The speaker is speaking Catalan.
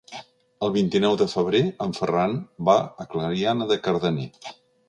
El vint-i-nou de febrer en Ferran va a Clariana de Cardener.